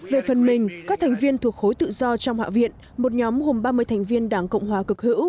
về phần mình các thành viên thuộc khối tự do trong hạ viện một nhóm gồm ba mươi thành viên đảng cộng hòa cực hữu